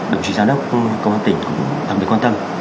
đồng chí giám đốc công an tỉnh cũng đặc biệt quan tâm